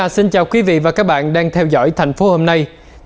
xin chào quý vị và các bạn đang theo dõi thành phố hôm nay